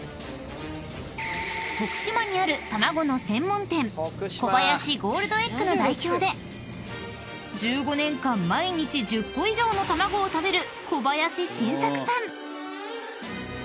［徳島にある卵の専門店「小林ゴールドエッグ」の代表で１５年間毎日１０個以上の卵を食べる］